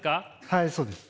はいそうです。